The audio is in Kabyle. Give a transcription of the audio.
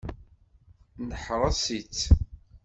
Neḥreṣ-itt.